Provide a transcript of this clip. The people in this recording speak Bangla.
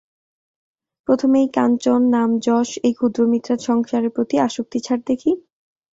প্রথমে এই কাঞ্চন, নাম-যশ, এই ক্ষুদ্র মিথ্যা সংসারের প্রতি আসক্তি ছাড় দেখি।